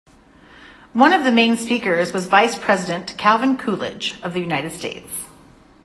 One of the main speakers was Vice President Calvin Coolidge of the United States.